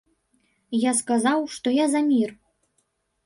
Я сказаў, што я за мір.